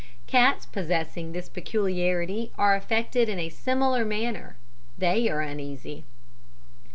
Cats possessing this peculiarity are affected in a similar manner they are uneasy.